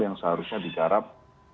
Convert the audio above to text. yang seharusnya digarap